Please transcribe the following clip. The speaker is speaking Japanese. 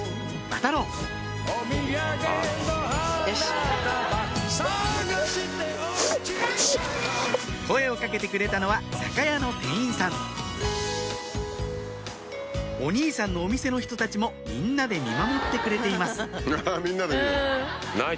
渡ろう声を掛けてくれたのは酒屋の店員さんお兄さんのお店の人たちもみんなで見守ってくれています